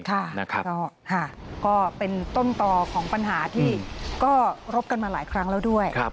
ก็เป็นต้นต่อของปัญหาที่ก็รบกันมาหลายครั้งแล้วด้วย